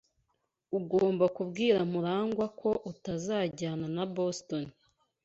Ugomba kubwira MuragwA ko utazajyana na Boston.